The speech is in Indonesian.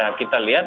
nah kita lihat